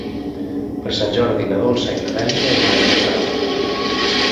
Per Sant Jordi na Dolça i na Dèlia iran a Catral.